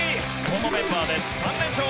このメンバーで３連勝！